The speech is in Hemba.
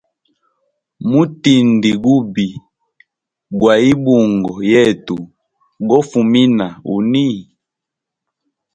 Mutingi gubi gwaibungo yetu gofumina huni.